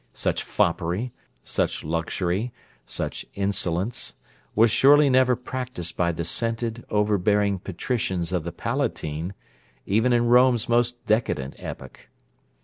Such foppery, such luxury, such insolence, was surely never practised by the scented, overbearing patricians of the Palatine, even in Rome's most decadent epoch.